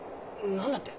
何だって？